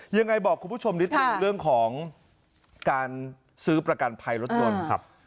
ยังไงบอกคุณผู้ชมนิดหนึ่งเรื่องของการซื้อประกันภัยรถยนต์ครับ